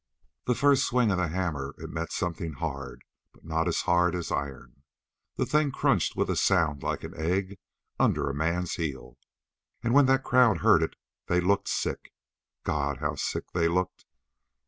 "The first swing of the hammer it met something hard, but not as hard as iron. The thing crunched with a sound like an egg under a man's heel. And when that crowd heard it they looked sick. God, how sick they looked!